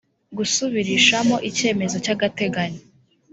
gusubirishamo icyemezo cy agateganyo